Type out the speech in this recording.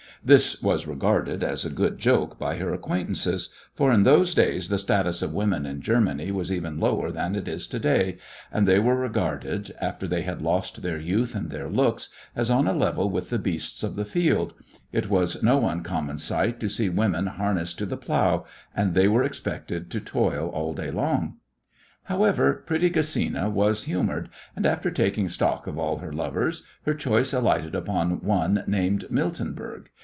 This was regarded as a good joke by her acquaintances, for in those days the status of women in Germany was even lower than it is to day, and they were regarded, after they had lost their youth and their looks, as on a level with the beasts of the field it was no uncommon sight to see women harnessed to the plough and they were expected to toil all day long. However, pretty Gesina was humoured, and, after taking stock of all her lovers, her choice alighted upon one named Miltenberg.